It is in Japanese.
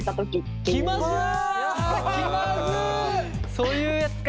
そういうやつか。